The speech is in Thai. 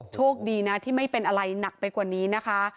โชคดีนะที่ไม่เป็นอะไรหนักไปกว่านี้นะคะ